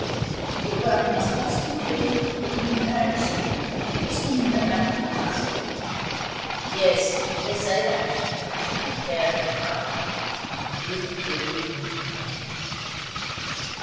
'Your brother must have some good reason for keeping his marriage secret. This woman may have a past.' 'Yes, they say that but I should not care if I liked her, if I knew her to be a good woman now.'